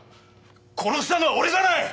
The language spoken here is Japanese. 殺したのは俺じゃない！